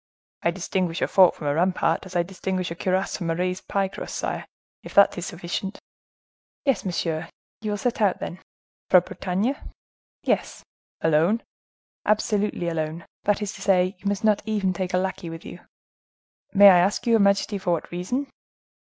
"I distinguish a fort from a rampart as I distinguish a cuirass from a raised pie crust, sire. Is that sufficient?" "Yes, monsieur. You will set out, then." "For Bretagne?" "Yes." "Alone?" "Absolutely alone. That is to say, you must not even take a lackey with you." "May I ask your majesty for what reason?"